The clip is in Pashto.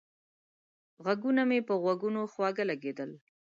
غږونه مې په غوږونو خواږه لگېدل